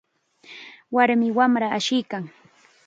Warmi wamra asiykan.